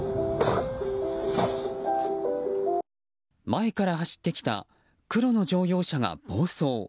前から走ってきた黒の乗用車が暴走。